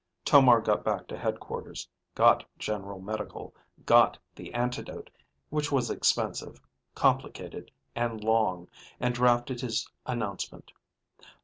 Tomar got back to headquarters, got General Medical, got the antidote, which was expensive, complicated, and long, and drafted his announcement.